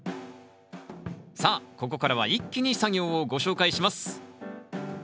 さあここからは一気に作業をご紹介します。